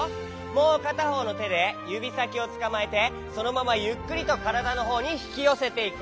もうかたほうのてでゆびさきをつかまえてそのままゆっくりとからだのほうにひきよせていこう。